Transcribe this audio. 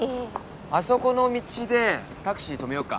あそこの道でタクシー止めようか。